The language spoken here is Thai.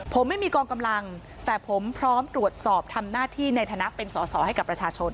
ผมไม่มีกองกำลังแต่ผมพร้อมตรวจสอบทำหน้าที่ในฐานะเป็นสอสอให้กับประชาชน